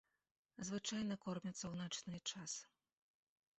Звычайна кормяцца ў начны час.